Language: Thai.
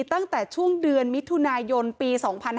ตั้งแต่ช่วงเดือนมิถุนายนปี๒๕๕๙